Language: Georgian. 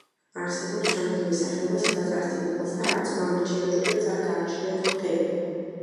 არსებობს რამდენიმე სახეობა, სადაც არც დედოფალს და არც მამრ ჭიანჭველებს არ გააჩნიათ ფრთები.